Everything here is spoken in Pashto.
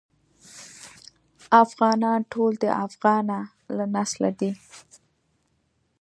افغانان ټول د افغنه له نسله دي.